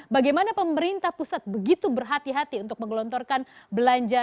bagaimana pemerintah pusat begitu berhati hati untuk menggelontorkan belanja